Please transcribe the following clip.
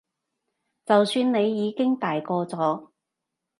就算你已經大個咗